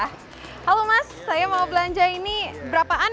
halo mas saya mau belanja ini berapaan